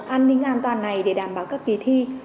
an ninh an toàn này để đảm bảo các kỳ thi